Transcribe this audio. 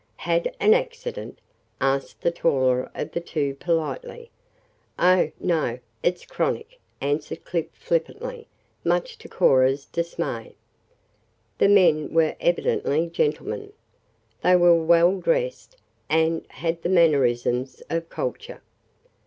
"Had an accident?" asked the taller of the two politely. "Oh, no, it's chronic," answered Clip flippantly, much to Cora's dismay. The men were evidently gentlemen. They were well dressed, and had the mannerisms of culture.